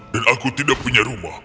dan aku tidak punya rumah